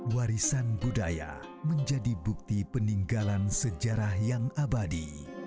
warisan budaya menjadi bukti peninggalan sejarah yang abadi